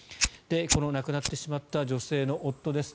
この亡くなってしまった女性の夫です。